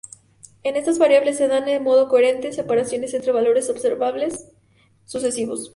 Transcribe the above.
En estas variables se dan de modo coherente separaciones entre valores observables sucesivos.